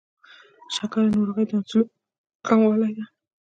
شکره ناروغي د انسولین کموالي ده.